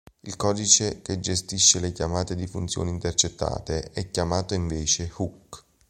Il codice che gestisce le chiamate di funzioni intercettate è chiamato invece "hook".